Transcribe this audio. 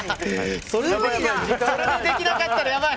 これでできなかったらやばい。